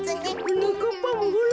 はなかっぱもほら。